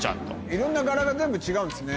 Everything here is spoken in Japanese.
いろんな柄が全部違うんですね。